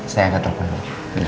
saya angkat telepon dulu